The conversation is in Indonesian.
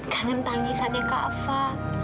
kangen tangisannya kafa